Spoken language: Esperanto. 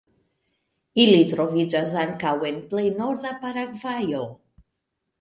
Ili troviĝas ankaŭ en plej norda Paragvajo.